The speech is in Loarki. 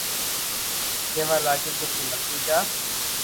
ڪيوا لاگيو ڪي تو متي جا